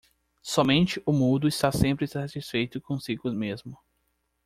Somente o mudo está sempre satisfeito consigo mesmo.